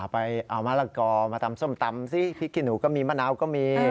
ไปเอามะละกอมาตำส้มตำซิพริกขี้หนูก็มีมะนาวก็มี